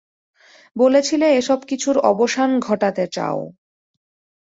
বলেছিলে এসব কিছুর অবসান ঘটাতে চাও।